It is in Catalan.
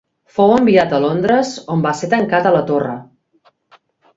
Fou enviat a Londres, on va ser tancat a la Torre.